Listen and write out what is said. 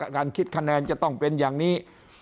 การคิดคะแนนจะต้องเป็นอย่างนี้